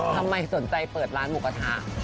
ทำไมสนใจเปิดร้านหมูกระทะ